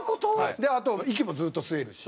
あと息もずっと吸えるし。